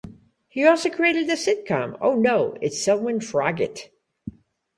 He also created the sitcom Oh No, It's Selwyn Froggitt!